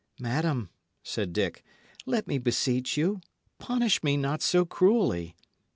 "Madam," said Dick, "let me beseech you, punish me not so cruelly.